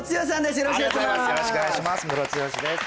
よろしくお願いします